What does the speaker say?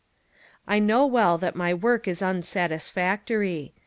I know well that my work is unsatisfactory.